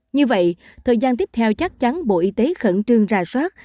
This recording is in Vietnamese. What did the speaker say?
như vậy thời gian tiếp theo chắc chắn bộ y tế khẩn trương ra soát